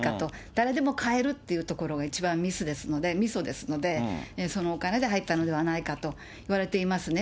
誰でも買えるというところが一番みそですので、そのお金で入ったのではないかといわれていますね。